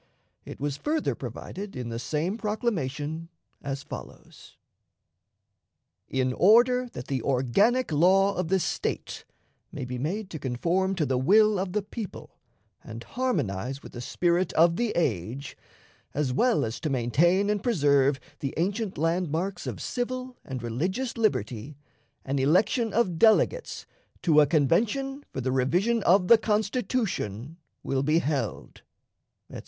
It was further provided, in the same proclamation, as follows: "In order that the organic law of the State may be made to conform to the will of the people and harmonize with the spirit of the age, as well as to maintain and preserve the ancient landmarks of civil and religions liberty, an election of delegates to a convention for the revision of the Constitution will be held," etc.